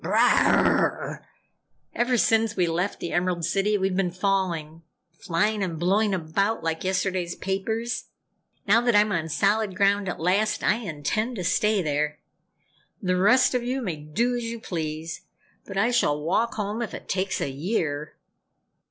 Brrrrah! Ever since we left the Emerald City we've been falling flying and blowing about like yesterday's papers. Now that I'm on solid ground at last, I intend to stay there! The rest of you may do as you please, but I shall walk home if it takes a year!"